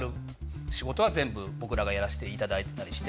全部僕らがやらせていただいてたりして。